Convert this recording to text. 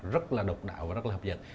rất là độc đạo và rất là hấp dẫn